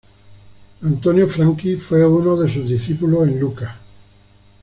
Antonio Franchi fue uno de sus discípulos en Lucca.